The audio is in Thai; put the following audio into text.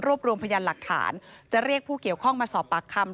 รวมรวมพยานหลักฐานจะเรียกผู้เกี่ยวข้องมาสอบปากคำ